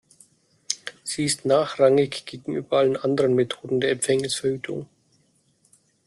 Sie ist nachrangig gegenüber allen anderen Methoden der Empfängnisverhütung.